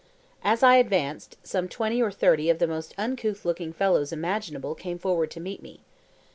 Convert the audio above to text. As I advanced, some twenty or thirty of the most uncouth looking fellows imaginable came forward to meet me.